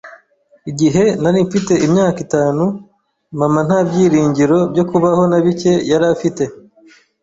Igihe nari mfite imyaka itanu Mama nta byiringiro byo kubaho na bike yari afite